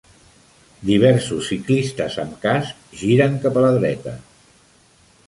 Diversos ciclistes amb casc giren cap a la dreta.